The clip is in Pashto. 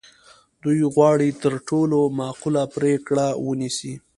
دوی غواړي تر ټولو معقوله پرېکړه ونیسي.